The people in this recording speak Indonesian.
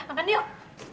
papa makan yuk